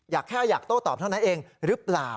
อยากแค่อยากโต้ตอบเท่านั้นเองหรือเปล่า